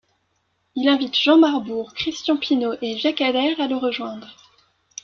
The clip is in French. Il invite Jean-Marc Bourg, Christian Pinaud et Jacques Allaire à le rejoindre.